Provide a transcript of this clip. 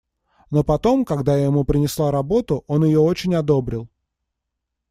Но потом, когда я ему принесла работу, он ее очень одобрил.